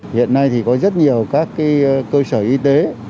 hiện nay thì có rất nhiều các cơ sở y tế